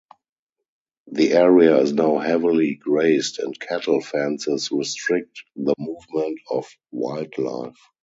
The area is now heavily grazed and cattle fences restrict the movement of wildlife.